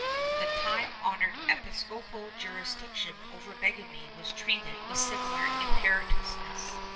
^ The time honored episcopal jurisdiction over bigamy was treated with similar imperiousness.